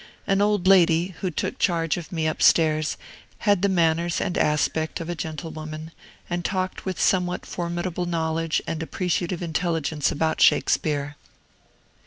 An old lady, who took charge of me up stairs, had the manners and aspect of a gentlewoman, and talked with somewhat formidable knowledge and appreciative intelligence about Shakespeare.